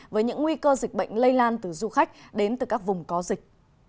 với những nguy cơ dịch bệnh lây lan từ du khách đến từ các vùng có dịch